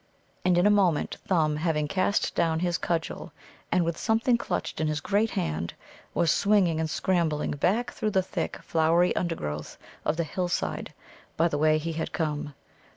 And, in a moment, Thumb, having cast down his cudgel, and with something clutched in his great hand, was swinging and scrambling back through the thick, flowery undergrowth of the hillside by the way he had come.